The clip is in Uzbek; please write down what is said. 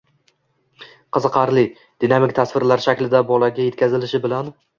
qiziqarli, dinamik tasvirlar shaklida bolaga yetkazilishi bilan